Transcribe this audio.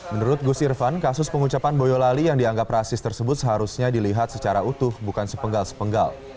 menurut gus irfan kasus pengucapan boyolali yang dianggap rasis tersebut seharusnya dilihat secara utuh bukan sepenggal sepenggal